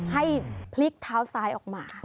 ให้พลิกเท้าซ้ายออกมา